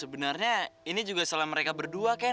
ya sebenernya ini juga salah mereka berdua ken